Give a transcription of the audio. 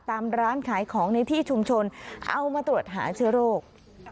ตามร้านขายของในที่ชุมชนเอามาตรวจหาเชื้อโรค